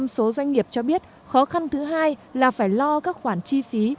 bảy mươi hai số doanh nghiệp cho biết khó khăn thứ hai là phải lo các khoản chi phí